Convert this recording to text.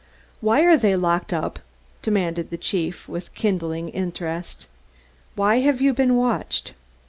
"Why are they locked up?" demanded the chief, with kindling interest. "Why have you been watched?"